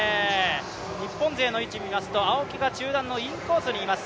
日本勢の位置見ますと青木が中盤の位置にいます。